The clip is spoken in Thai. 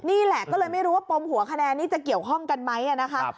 นี่แหละก็เลยไม่รู้ว่าปมหัวคะแนนนี้จะเกี่ยวข้องกันไหมนะคะ